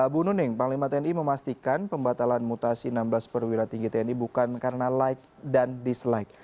bu nuning panglima tni memastikan pembatalan mutasi enam belas perwira tinggi tni bukan karena like dan dislike